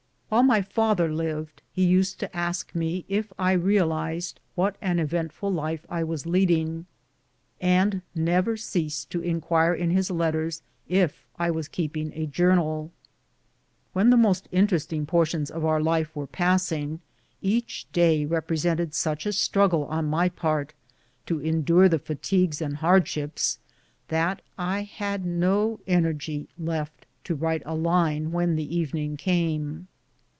While my father lived, he used to ask me if I real ized wdiat an eventful life I was leading, and never ceased to inquire in his letters if I was keeping a jour nal. When the most interesting portions of our life 162 BOOTS AND SADDLES. were passing, each day represented sncli a struggle on my part to endure the fatigues and hardships that I had no energy left to write a line when the evening came.